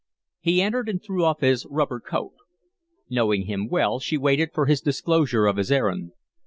He entered and threw off his rubber coat. Knowing him well, she waited for his disclosure of his errand.